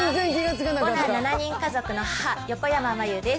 五男７人家族の母、横山まゆです。